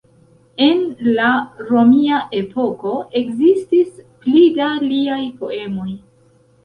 En la romia epoko ekzistis pli da liaj poemoj.